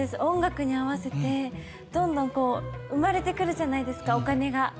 音楽に合わせてどんどんこう生まれてくるじゃないですかお金が。